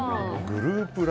グループ